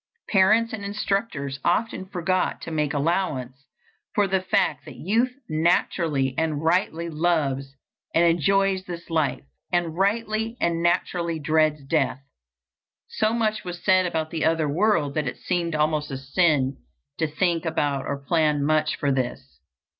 Parents and instructors often forgot to make allowance for the fact that youth naturally and rightly loves and enjoys this life, and rightly and naturally dreads death. So much was said about the other world that it seemed almost a sin to think about or plan much for this.